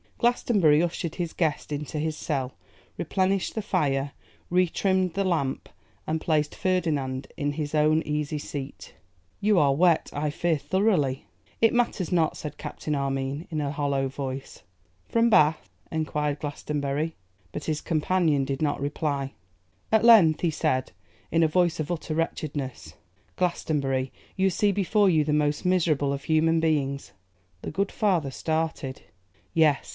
Glastonbury ushered his guest into his cell, replenished the fire, retrimmed the lamp, and placed Ferdinand in his own easy seat. 'You are wet; I fear thoroughly?' 'It matters not,' said Captain Armine, in a hollow voice. 'From Bath?' enquired Glastonbury. But his companion did not reply. At length he said, in a voice of utter wretchedness, 'Glastonbury, you see before you the most miserable of human beings.' The good father started. 'Yes!